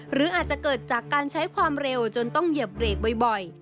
หรืออาจจะเกิดจากการใช้ความเร็วจนต้องเหยียบเบรกบ่อย